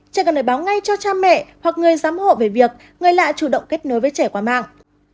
chỉ cần phải báo ngay cho cha mẹ hoặc người giám hộ về việc người lạ chủ động kết nối với trẻ qua mạng